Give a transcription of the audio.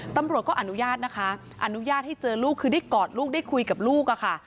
ตำรวจก็อนุญาตนะคะอนุญาตให้เจอลูกคือได้กอดลูกได้คุยกับลูกอะค่ะ